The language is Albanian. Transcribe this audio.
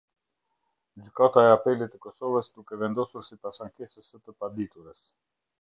Gjykata e Apelit të Kosovës, duke vendosur sipas ankesës së të paditurës.